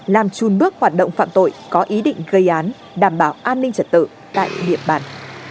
làm trun bước hoạt động phạm tội có ý định gây án đảm bảo an ninh trật tự tại địa bàn